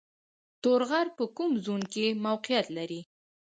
تور غر په کوم زون کې موقعیت لري؟